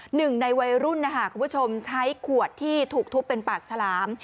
หนึ่งในวัยรุ่นนะคะคุณผู้ชมใช้ขวดที่ถูกทุบเป็นปากฉลาม